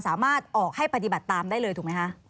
สามารถออกให้ปฏิบัติตามได้เลยถูกไหมคะ